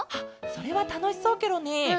それはたのしそうケロね。